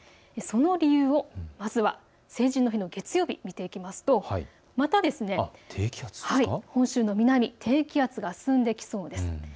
その理由をまずは成人の日の月曜日、見ていきますとまた本州の南、低気圧が進んできそうです。